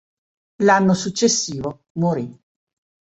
L'anno successivo morì.